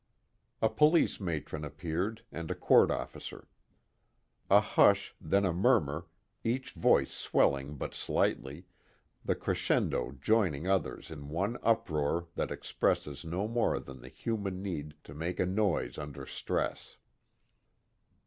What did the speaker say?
A police matron appeared, and a court officer. A hush, then a murmur, each voice swelling but slightly, the crescendo joining others in one uproar that expresses no more than the human need to make a noise under stress.